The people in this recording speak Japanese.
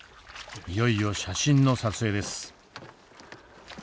いよいよ写真の撮影です。